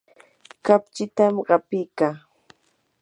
kapchitam qapikaa.